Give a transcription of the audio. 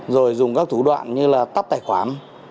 rồi dùng các thủ đoạn như là tắt tài khoản